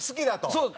そう。